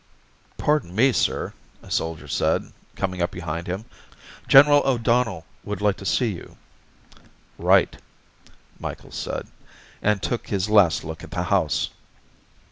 "Pardon me, sir," a soldier said, coming up behind him. "General O'Donnell would like to see you." "Right," Micheals said, and took his last look at the house.